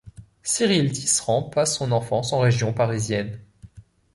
Cyril Tisserand passe son enfance en région parisienne.